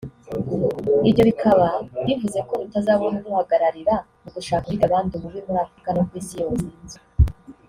Ibyo bikaba bivuze ko rutazabona uruhagararira mu gushaka uhiga abandi ububi muri Afrika no ku isi yose